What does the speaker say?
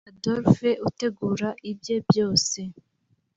Adolphe utegura ibye byose